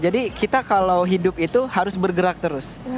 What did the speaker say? jadi kita kalau hidup itu harus bergerak terus